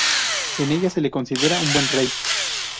En ellas se le considera un buen rey.